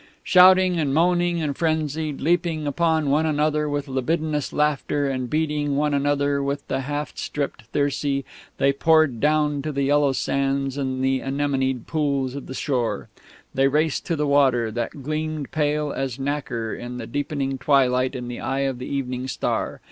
Shouting and moaning and frenzied, leaping upon one another with libidinous laughter and beating one another with the half stripped thyrsi, they poured down to the yellow sands and the anemonied pools of the shore. They raced to the water, that gleamed pale as nacre in the deepening twilight in the eye of the evening star.